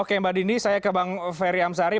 oke mbak dini saya ke bang ferry amsari